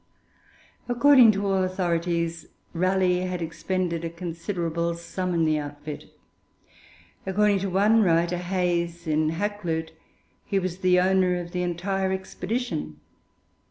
According to all authorities, Raleigh had expended a considerable sum in the outfit; according to one writer, Hayes (in Hakluyt), he was owner of the entire expedition.